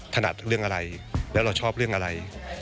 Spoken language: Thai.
ถนัดเรื่องอะไรแล้วเราชอบเรื่องอะไร